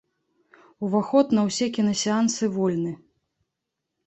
Уваход на ўсе кінасеансы вольны.